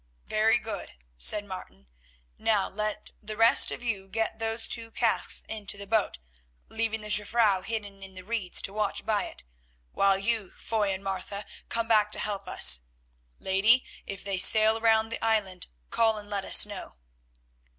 "Very good," said Martin. "Now let the rest of you get those two casks into the boat, leaving the Jufvrouw hidden in the reeds to watch by it, while you, Foy and Martha, come back to help us. Lady, if they sail round the island, call and let us know."